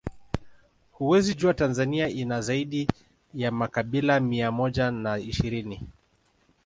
Huwezi jua Tanzania ina zaidi ya makabila mia moja na ishirini